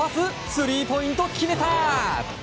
スリーポイント、決めた！